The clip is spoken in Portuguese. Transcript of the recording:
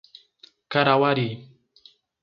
Carauari